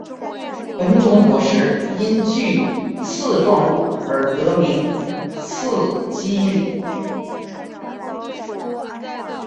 本种果实因具刺状物而得名刺蒺藜。